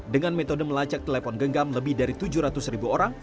dengan metode melacak telepon genggam lebih dari tujuh ratus ribu orang